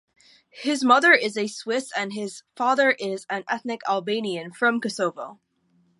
His mother is a Swiss and his father is an ethnic Albanian from Kosovo.